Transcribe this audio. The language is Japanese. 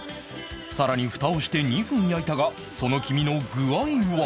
さらに蓋をして２分焼いたがその黄身の具合は？